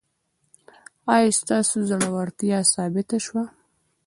ایا ستاسو زړورتیا ثابته شوه؟